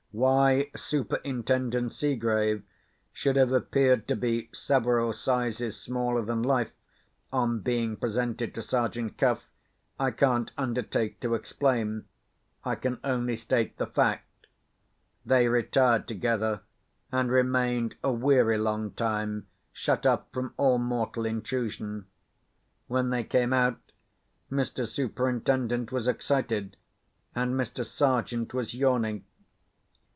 Why Superintendent Seegrave should have appeared to be several sizes smaller than life, on being presented to Sergeant Cuff, I can't undertake to explain. I can only state the fact. They retired together; and remained a weary long time shut up from all mortal intrusion. When they came out, Mr. Superintendent was excited, and Mr. Sergeant was yawning.